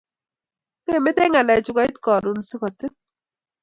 Kemete kaleng chu koit akoi karon si ke til